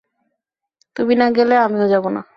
তুমি না গেলে আমিও যাবো না।